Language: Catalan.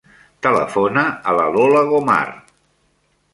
Telefona a la Lola Gomar.